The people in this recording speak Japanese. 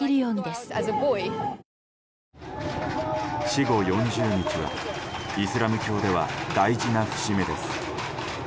死後４０日はイスラム教では大事な節目です。